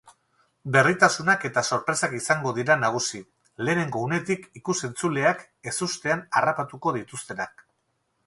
Berritasunak eta sorpresak izango dira nagusi, lehenengo unetik ikus-entzuleak ezustean harrapatuko dituztenak.